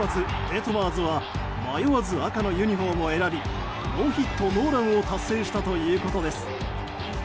デトマーズは迷わず赤のユニホームを選びノーヒットノーランを達成したということです。